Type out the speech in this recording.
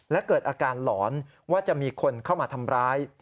และเกิดอาการหลอนว่าจะมีคนเข้ามาทำร้าย